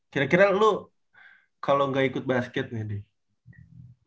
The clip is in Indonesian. kira kira lu kalau gak ikut basket nih